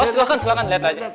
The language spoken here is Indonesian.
oh silahkan silahkan liat aja